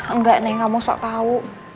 enggak nih kamu sok tau